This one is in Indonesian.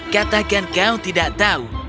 katakan kau tidak tahu